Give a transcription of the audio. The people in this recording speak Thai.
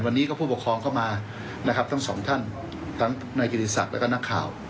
วันนี้ก็ผู้ปกครองเข้ามานะครับทั้งสองท่านทั้งนายกิติศักดิ์แล้วก็นักข่าว